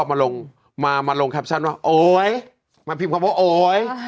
มีลำลงมามาลงแคปชั่นแล้วโอ๊ยมาพิมพ์ว่าโอ๊ย